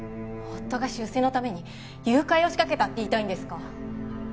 夫が出世のために誘拐を仕掛けたって言いたいんですか？